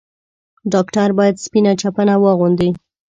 ډاکټر بايد سپينه چپنه واغوندي.